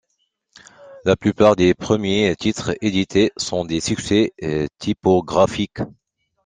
La plupart des premiers titres édités sont des succès typographiques.